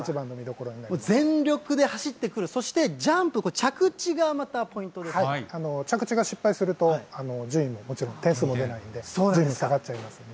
全力で走ってくる、そしてジャンプ、着地が失敗すると、順位ももちろん、点数も出なくて、順位下がっちゃいますので。